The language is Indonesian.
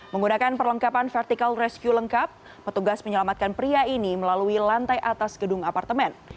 menggunakan perlengkapan vertical rescue lengkap petugas menyelamatkan pria ini melalui lantai atas gedung apartemen